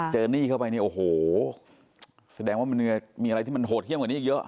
เจอนี่เข้าไปโอ้โหแสดงว่ามันมีอะไรที่โหดเขี้ยมกว่านี้เยอะ